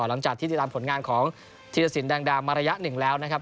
หลังจากที่ติดตามผลงานของธีรสินแดงดามาระยะหนึ่งแล้วนะครับ